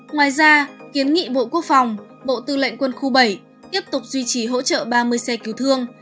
ngoài ra kiến nghị bộ quốc phòng bộ tư lệnh quân khu bảy tiếp tục duy trì hỗ trợ ba mươi xe cứu thương